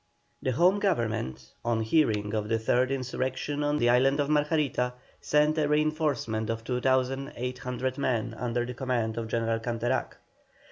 The Home Government, on hearing of the third insurrection on the island of Margarita, sent a reinforcement of 2,800 men under the command of General Canterac.